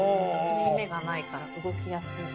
縫い目がないから動きやすい。